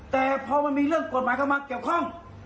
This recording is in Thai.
แต่พอมันมีเรื่องกฎหมายเข้ามาเกี่ยวข้อง